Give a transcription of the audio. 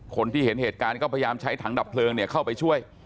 เห็นเหตุการณ์ก็พยายามใช้ถังดับเพลิงเข้าไปช่วย